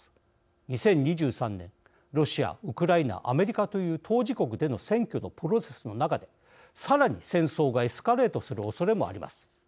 ２０２３年、ロシア、ウクライナアメリカという当事国での選挙のプロセスの中で、さらに戦争がエスカレートするおそれもあります。